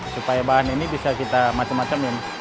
supaya bahan ini bisa kita macam macamin